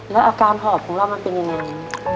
แล้วอาการหอบของเรามันเป็นยังไง